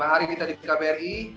hari kita di kbri